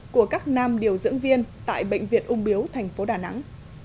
của các nam điều dưỡng viên tại bệnh viện ung biếu thành phố đà nẵng